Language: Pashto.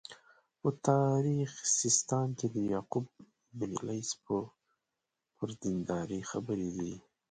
په تاریخ سیستان کې د یعقوب بن لیث پر دینداري خبرې دي.